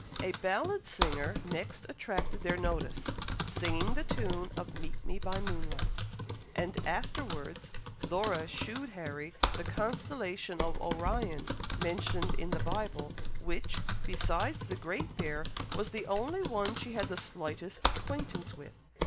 A ballad singer next attracted their notice, singing the tune of "Meet me by moonlight," and afterwards Laura shewed Harry the constellation of Orion mentioned in the Bible, which, besides the Great Bear, was the only one she had the slightest acquaintance with.